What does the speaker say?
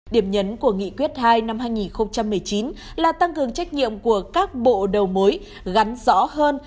điểm nhấn của nghị quyết hai năm hai nghìn một mươi chín là tăng cường trách nhiệm của các bộ đầu mối gắn rõ hơn